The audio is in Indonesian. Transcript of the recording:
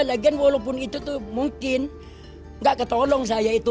lagian walaupun itu tuh mungkin nggak ketolong saya itu